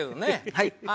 はい。